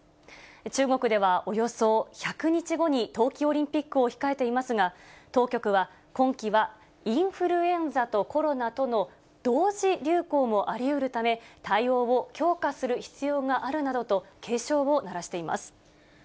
中国ではおよそ１００日後に冬季オリンピックを控えていますが、当局は、今季はインフルエンザとコロナとの同時流行もありうるため、対応を強化する必要があるなどと、警鐘を鳴らしています。